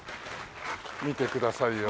見てくださいよ。